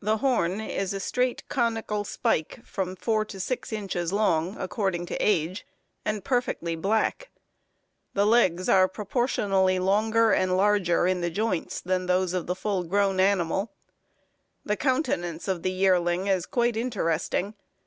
The horn is a straight, conical spike from 4 to 6 inches long, according to age, and perfectly black. The legs are proportionally longer and larger in the joints than those of the full grown animal. The countenance of the yearling is quite interesting.